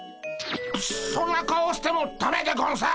そんな顔をしてもだめでゴンス。